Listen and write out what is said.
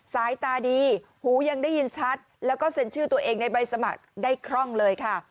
สายตาดีหูยังได้ยินชัดแล้วก็เซ็นชื่อตัวเองในใบสมัครได้คร่องเลยค่ะ